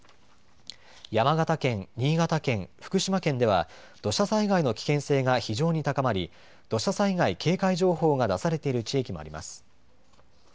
山形県、新潟県、福島県では土砂災害の危険性が非常に高まり土砂災害警戒情報が出されている地域もあります。